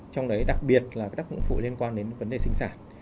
trong đấy đặc biệt là tác dụng phụ liên quan đến vấn đề sinh sản